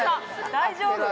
大丈夫？